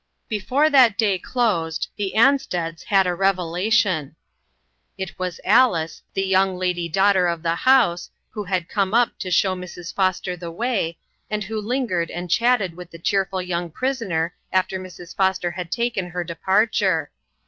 xjbfore that day closed, the Ansteds had a revelation. It was Alice, the young lady daughter of the house, who had come up to show Mrs. Foster the way, and who lingered and chatted with the cheerful young prisoner after Mrs. Foster had taken her departure.